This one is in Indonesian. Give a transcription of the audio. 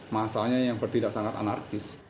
masalahnya yang bertidak sangat anarkis